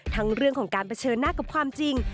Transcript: ทั้งเรื่องของการเผชิญหน้ากับความจริง